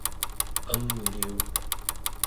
angliuq